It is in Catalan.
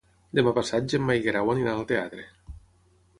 Demà passat na Gemma i en Guerau aniran al teatre.